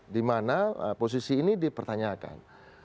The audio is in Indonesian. di mana posisi ini dipertanyakan